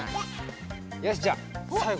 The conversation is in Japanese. よしじゃあさいご。